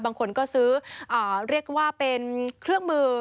บางคนก็ซื้อเรียกว่าเป็นเครื่องมือ